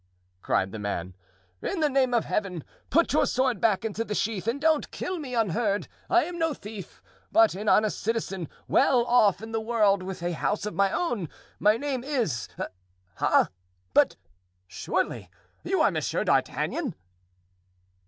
cried the man, "in the name of Heaven put your sword back into the sheath and don't kill me unheard. I'm no thief, but an honest citizen, well off in the world, with a house of my own. My name is—ah! but surely you are Monsieur d'Artagnan?"